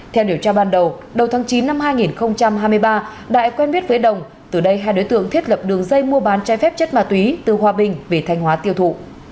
theo điều tra ban đầu đầu tháng chín năm hai nghìn hai mươi ba đại quen biết với đồng từ đây hai đối tượng thiết lập đường dây mua bán trái phép chất ma túy từ hòa bình về thanh hóa tiêu thụ